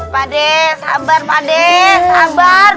pade sabar pade sabar